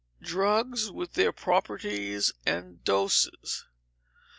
Drugs, with their Properties and Doses.